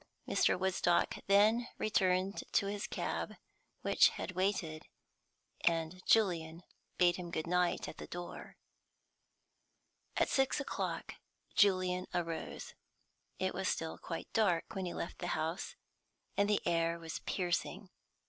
Mr. Woodstock then returned to his cab, which had waited, and Julian bade him good night at the door. At six o'clock Julian arose. It was still quite dark when he left the house, and the air was piercing.